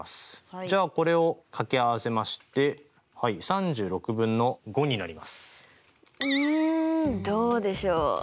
じゃあこれを掛け合わせましてうんどうでしょう？